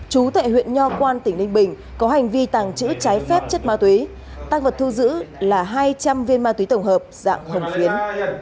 chú tại huyện nho quan tỉnh ninh bình có hành vi tàng trữ trái phép chất ma túy tăng vật thu giữ là hai trăm linh viên ma túy tổng hợp dạng hồng phiến